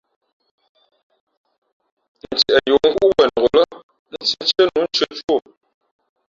Ntieꞌ yi ǒ kúꞌ wenok lά, ntīēntíé nu tʉ̄ᾱ tú ō.